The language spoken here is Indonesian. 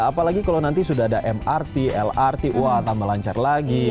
apalagi kalau nanti sudah ada mrt lrt wah tambah lancar lagi